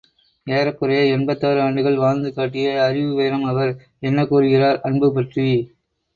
ஏறக்குறைய எண்பத்தாறு ஆண்டுகள் வாழ்ந்து காட்டிய அறிவு வைரம் அவர் என்ன கூறுகிறார் அன்பு பற்றி.